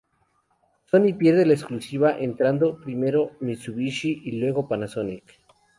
Sony pierde la exclusiva entrado primero Mitsubishi y luego Panasonic.